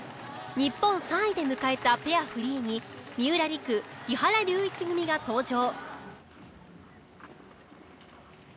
日本３位で迎えたペアフリーに三浦璃来木原龍一組が登場。